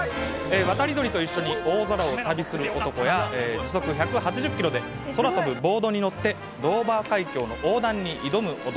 渡り鳥と一緒に大空を旅する男や時速１８０キロで空飛ぶボードに乗ってドーバー海峡の横断に挑む男。